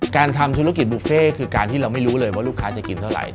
การทำธุรกิจบุฟเฟ่คือการที่เราไม่รู้เลยว่าลูกค้าจะกินเท่าไหร